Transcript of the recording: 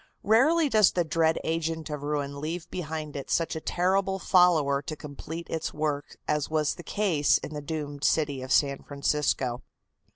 Rarely does the dread agent of ruin leave behind it such a terrible follower to complete its work as was the case in the doomed city of San Francisco.